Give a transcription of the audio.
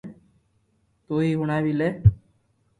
تو ھي ھڻاو وي لي